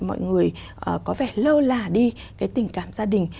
mọi người có vẻ lơ là đi cái tình cảm gia đình